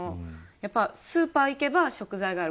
スーパーに行けば食材がある。